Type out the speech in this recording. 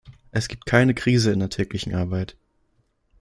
Es gibt keine Krise in der täglichen Arbeit.